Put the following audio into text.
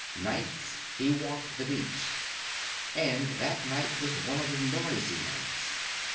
Nights he walked the beach, and that night was one of the noisy nights.